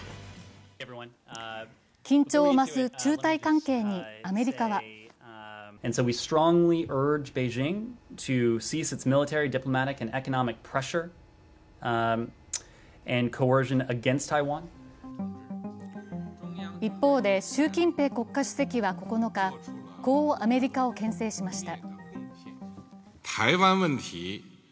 緊張を増す中台関係にアメリカは一方で、習近平国家主席は９日、こうアメリカをけん制しました。